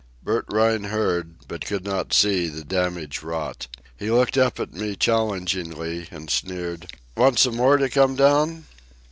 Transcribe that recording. Bert Rhine heard, but could not see, the damage wrought. He looked up at me challengingly, and sneered: "Want some more to come down?"